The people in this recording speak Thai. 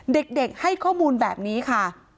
เด็กให้ข้อมูลแบบนี้ค่ะ